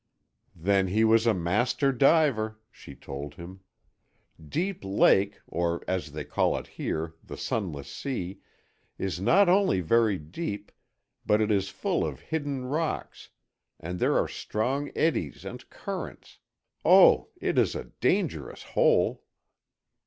"Then he was a master diver," she told him. "Deep Lake, or as they call it here, the Sunless Sea, is not only very deep, but it is full of hidden rocks and there are strong eddies and currents,—oh, it is a dangerous hole!"